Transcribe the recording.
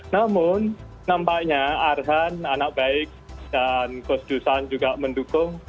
namun nampaknya arhan anak baik dan kusdusan juga mendukung